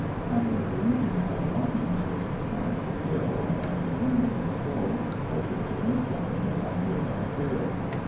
After arranging my belongings, with time to kill, I returned to the store, hoping to learn something about nearby trails.